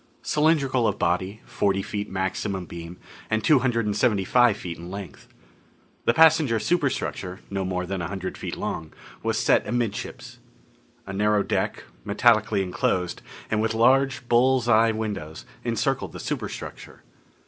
Cylindrical of body, forty feet maximum beam, and two hundred and seventy five feet in length. The passenger superstructure no more than a hundred feet long was set amidships. A narrow deck, metallically enclosed, and with large bull's eye windows, encircled the superstructure.